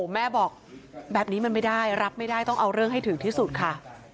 แม่บอกแบบนี้มันไม่ได้รับไม่ได้ต้องเอาเรื่องให้ถึงที่สุดค่ะ